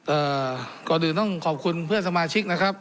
เอ่อก่อนอื่นต้องขอบคุณเพื่อนสมาชิกนะครับ